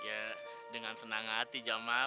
ya dengan senang hati jamal